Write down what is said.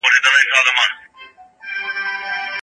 يونس سورت په {ا. ل. ر} شروع سوی دی.